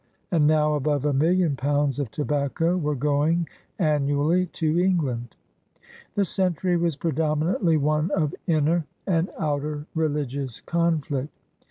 And now above a million pounds of tobacco were going annually to England. The century was predominantly one of inner and outer religious conflict.